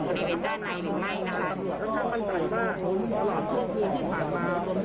บริเวณด้านในหรือไม่นะคะ